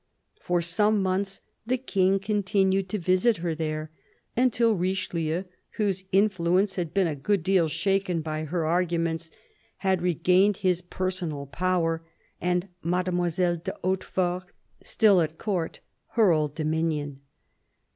For some months the King continued to visit her there, until Richelieu, whose influence had been a good deal shaken by her arguments, had regained his personal power, and Mademoiselle de Hautefort, still at Court, her old dominion.